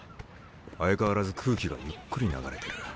相変わらず空気がゆっくり流れてる。